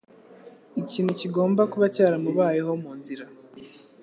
Ikintu kigomba kuba cyaramubayeho munzira.